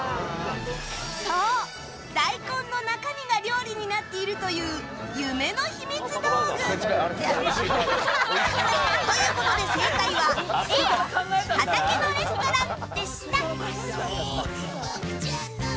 そう、大根の中身が料理になっているという夢のひみつ道具。ということで正解はＡ、畑のレストランでした。